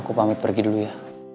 aku pamit pergi dulu ya